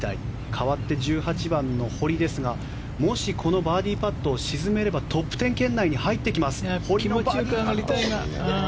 かわって１８番の堀ですがもしこのバーディーパットを沈めればトップ１０圏内に入ってきますが。